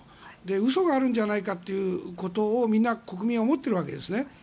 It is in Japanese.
嘘があるんじゃないかということをみんな、国民は思っているわけですね。